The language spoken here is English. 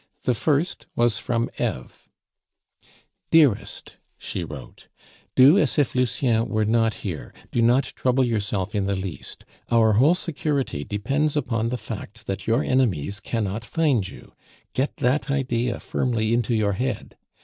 The first was from Eve. "DEAREST," she wrote, "do as if Lucien were not here; do not trouble yourself in the least; our whole security depends upon the fact that your enemies cannot find you; get that idea firmly into your head.